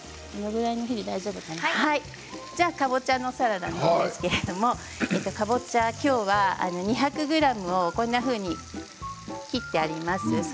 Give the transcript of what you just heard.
かぼちゃのサラダなんですけれどもきょうは２００ｇをこのような形に切ってあります。